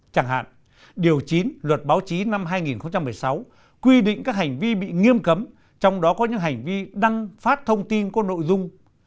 chẳng hạn điều chín luật báo chí năm hai nghìn một mươi sáu quy định các hành vi bị nghiêm cấm trong đó có những hành vi đăng phát thông tin có nội dung